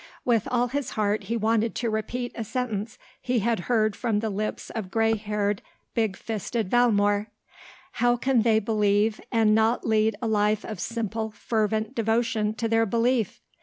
With all his heart he wanted to repeat a sentence he had heard from the lips of grey haired, big fisted Valmore "How can they believe and not lead a life of simple, fervent devotion to their belief?"